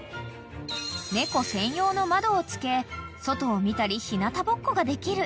［猫専用の窓を付け外を見たり日なたぼっこができる］